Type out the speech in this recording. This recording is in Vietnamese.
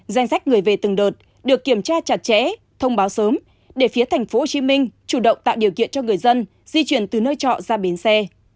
danh sách người về từng đợt được kiểm tra chặt chẽ thông báo sớm để phía tp hcm chủ động tạo điều kiện cho người dân di chuyển từ nơi trọ ra bến xe